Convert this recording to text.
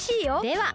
では。